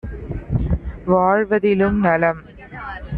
வாழ்வதிலும் நலம்...